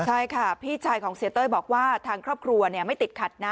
ใช่ค่ะพี่ชายของเสียเต้ยบอกว่าทางครอบครัวไม่ติดขัดนะ